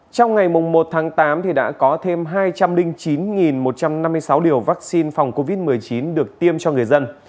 trong ngày một tháng tám đã có thêm hai trăm linh chín một trăm năm mươi sáu liều vaccine phòng covid một mươi chín được tiêm cho người dân